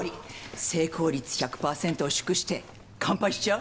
成功率１００％を祝して乾杯しちゃう？